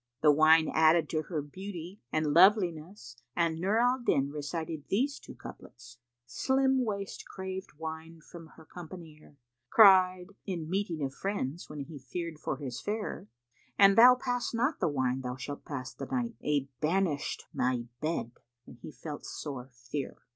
The wine added to her beauty and loveliness, and Nur al Din recited these two couplets, "Slim waist craved wine from her companeer; * Cried (in meeting of friends when he feared for his fere,) 'An thou pass not the wine thou shalt pass the night, * A banisht my bed!' And he felt sore fear."